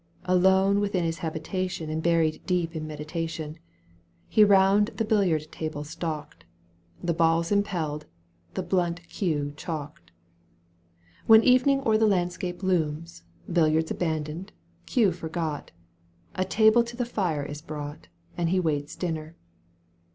Alone within his habitation And buried deep in meditation. He round the biHiard table stalked. The balls impelled, the blunt cue chalked ; When evening o'er the landscape looms. Billiards abandoned, cue forgot, A table to the fire is brought, And he waits dinner.